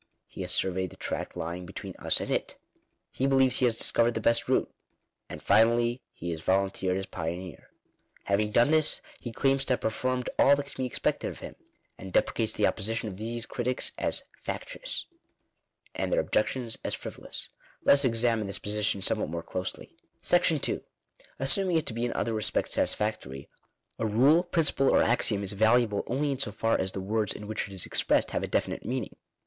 He has surveyed the tract lying between us and it. He believes he has dis covered the best route. And finally he has volunteered as pioneer. Having done this, he claims to have performed all that can be expected of him, and deprecates the opposition of these critics as factious, and their objections as frivolous* Let us examine this position somewhat more closely. Assuming it to be in other respects satisfactory, a rule, principle, or axiom, is valuable only in so far as the words in which it is expressed have a definite meaning.